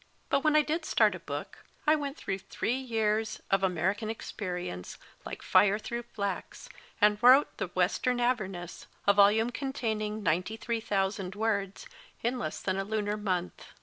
But when I did start a book, I went through three years of American experience like fire through flax, and wrote The Western Avernus, a volume containing ninety three thousand words, in less than a lunar month.